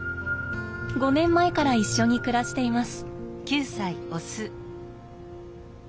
５年前から一緒に暮らしています。